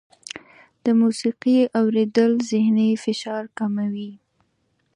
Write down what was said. د موسیقۍ اورېدل ذهني فشار کموي.